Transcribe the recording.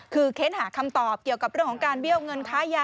คือเค้นหาคำตอบเกี่ยวกับเรื่องของการเบี้ยวเงินค้ายา